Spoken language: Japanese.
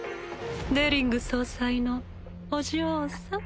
デリング総裁のお嬢さん。